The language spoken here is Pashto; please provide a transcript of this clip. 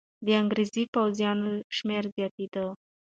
د انګریزي پوځونو شمېر زیاتېده.